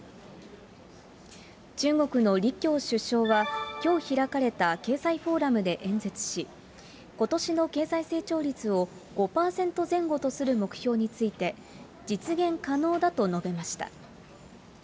中国の李強首相は、きょう開かれた経済フォーラムで演説し、ことしの経済成長率を５％前後とする目標について、実現可能だと述べました。